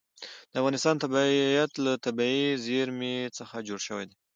د افغانستان طبیعت له طبیعي زیرمې څخه جوړ شوی دی.